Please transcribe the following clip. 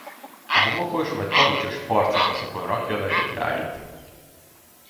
A homokos vagy kavicsos partszakaszokon rakja le ikráit.